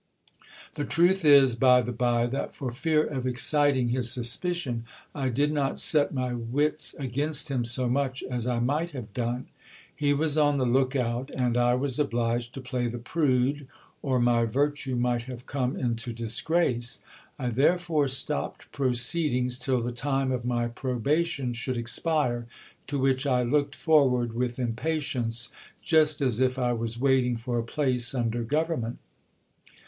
The truth is, by the by, that for fear of exciting his suspicion, I did not set my wits against him so much as I might have done. 1 6 GIL BLAS. He was on the look out, and I was obliged to play the prude, or my virtue might have come into disgrace. I therefore stopped proceedings till the time of my probation should expire, to which I looked forward with impatience, just as if I was waiting for a place under government.